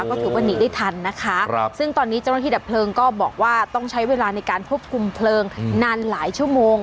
ก็ถือว่าหนีได้ทันนะคะซึ่งตอนนี้เจ้าหน้าที่ดับเพลิงก็บอกว่าต้องใช้เวลาในการควบคุมเพลิงนานหลายชั่วโมง